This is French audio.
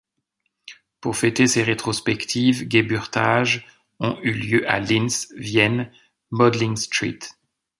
Pour fêter ses rétrospectives Geburtages ont eu lieu à Linz, Vienne, Mödling, St.